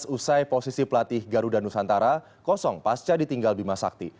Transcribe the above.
usai posisi pelatih garuda nusantara kosong pasca ditinggal bima sakti